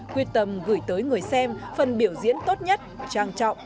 quyết tâm gửi tới người xem phần biểu diễn tốt nhất trang trọng